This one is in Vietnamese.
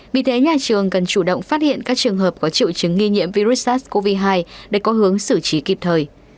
vì thế nhà trường cần chủ động phát hiện các trường hợp có triệu chứng nghi nhiễm virus sars cov hai để có hướng xử trí kịp thời